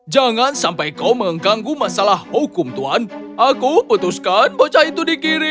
jangan sampai kau mengganggu masalah hukum tuan aku putuskan bocah itu